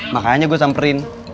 makanya gue samperin